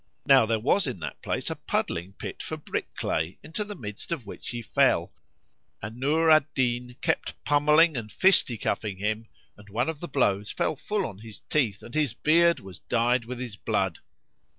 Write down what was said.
Now there was in that place a puddling pit for brick clay,[FN#34] into the midst of which he fell, and Nur al Din kept pummelling and fisti cuffing him, and one of the blows fell full on his teeth, and his beard was dyed with his blood.